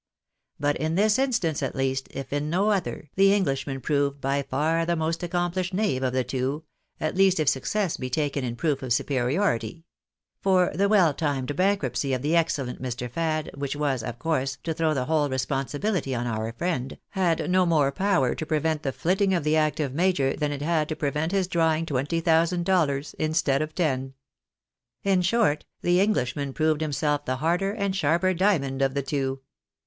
But in this instance, at least, if in no other, the Englishman proved by far the most accomplished knave of the two, at least if success be taken in proof of superiority ; for the well timed bankruptcy of the excellent J\Ir. Fad, which was, of course, to throw thef whole responsibility on our friend, had no more power to prevent the flitting of the active major than it had to prevent his drawing twenty thousand dollars instead of ten. In short, the Englishman proved himself the harder and sharper diamond of the two.